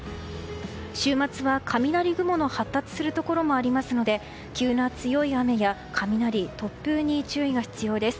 週末は雷雲の発達するところもありますので急な強い雨や雷、突風に注意が必要です。